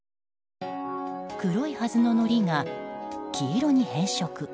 黒いはずののりが黄色に変色。